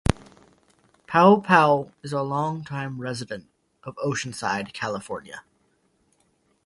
Paopao is a longtime resident of Oceanside, California.